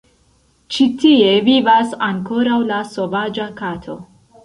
Ĉi tie vivas ankoraŭ la sovaĝa kato.